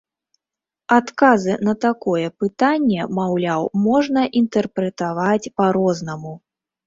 Адказы на такое пытанне, маўляў, можна інтэрпрэтаваць па-рознаму.